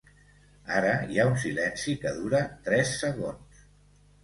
Ara hi ha un silenci que dura tres segons.